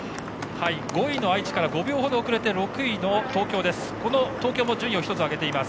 ５位の愛知から６秒程遅れて６位の東京です。